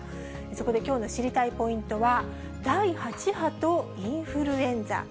そこできょうの知りたいポイントは、第８波とインフルエンザ。